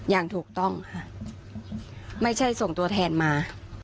อย่างถูกต้องค่ะไม่ใช่ส่งตัวแทนมา